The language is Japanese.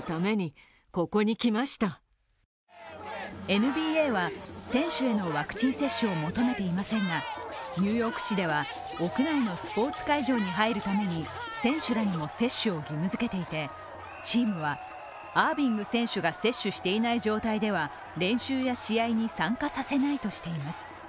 ＮＢＡは選手へのワクチン接種を求めていませんがニューヨーク市では屋内のスポーツ会場に入るために選手らにも接種を義務づけていて、チームはアービング選手が接種していない状態では練習や試合に参加させないとしています。